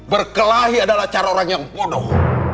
berkelahi adalah cara orang yang bodoh